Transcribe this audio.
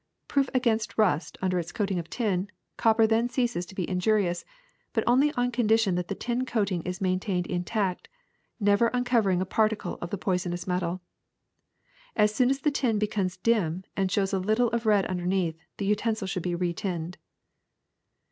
Proof against rust under its coating of tin, copper then ceases to be injurious, but only on condition that the tin coating is maintained intact, never uncovering a particle of the poisonous metal. As soon as the tin becomes dim and shows a little of the red underneath, the utensil should be retinned.